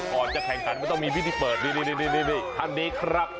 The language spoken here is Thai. ก่อนจะแข่งขันมันต้องมีพิธีเปิดนี่ท่านนี้ครับ